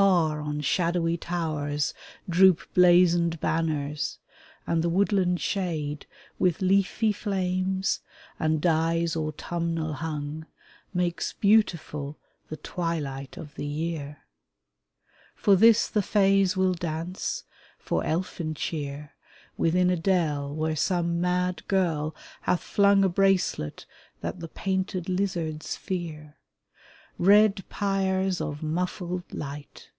Far on shadowy tow'rs Droop blazoned banners, and the woodland shade, With leafy flames and dyes autumnal hung, Makes beautiful the twilight of the year. For this the fays will dance, for elfin cheer, Within a dell where some mad girl hath flung A bracelet that the painted lizards fear — Red pyres of muffled light!